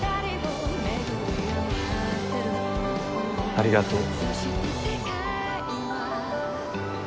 ありがとう。